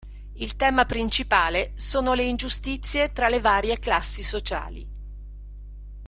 Il tema principale sono le ingiustizie tra le varie classi sociali.